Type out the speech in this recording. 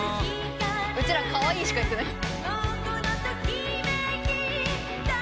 うちら「カワイイ」しか言ってない。